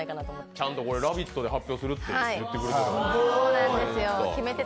ちゃんと「ラヴィット！」！で発表するって言ってくれて。